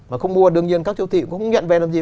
mà không mua đương nhiên các châu thị cũng nhận về làm gì